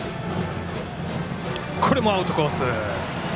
これもアウトコース。